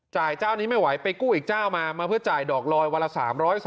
เจ้านี้ไม่ไหวไปกู้อีกเจ้ามามาเพื่อจ่ายดอกลอยวันละ๓๓๐